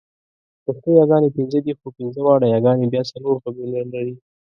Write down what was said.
پښتو یاګانې پنځه دي، خو پنځه واړه یاګانې بیا څلور غږونه لري.